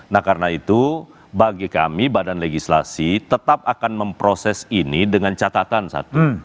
nah karena itu bagi kami badan legislasi tetap akan memproses ini dengan catatan satu